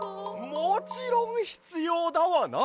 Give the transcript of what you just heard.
もちろんひつようだわな！